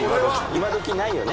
今どきないよね